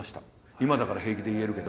今だから平気で言えるけど。